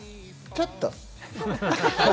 ちょっと。